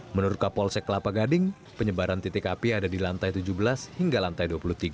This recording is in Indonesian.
menurut kapolsek kelapa gading penyebaran titik api ada di lantai tujuh belas hingga lantai dua puluh tiga